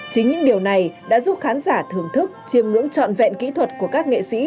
chính những điều này đã giúp khán giả thưởng thức chiêm ngưỡng trọn vẹn kỹ thuật của các nghệ sĩ